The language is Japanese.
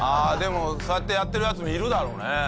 ああでもそうやってやってるヤツもいるだろうね。